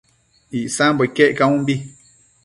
Icsambo iquec caunbi